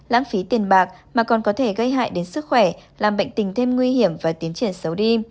lãng phí tiền bạc mà còn có thể gây hại đến sức khỏe làm bệnh tình thêm nguy hiểm và tiến triển xấu đi